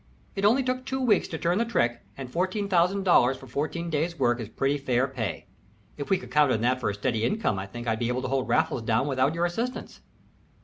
It only took two weeks to turn the trick, and $14,000 for fourteen days' work is pretty fair pay. If we could count on that for a steady income I think I'd be able to hold Raffles down without your assistance."